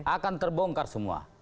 akan terbongkar semua